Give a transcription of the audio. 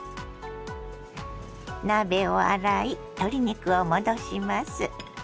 鍋を洗い鶏肉を戻します。